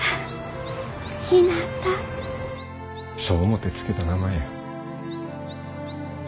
そう思て付けた名前や。